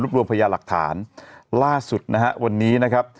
รวมพญาหลักฐานล่าสุดนะฮะวันนี้นะครับ